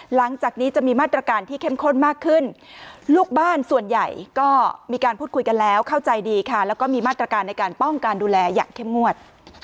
หลังจากนี้จะมีมาตรการที่เข้มข้นมากขึ้นลูกบ้านส่วนใหญ่ก็มีการพูดคุยกันแล้วเข้าใจดีค่ะแล้วก็มีมาตรการในการป้องกันดูแลอย่างเข้มงวด